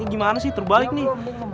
gimana sih terbalik nih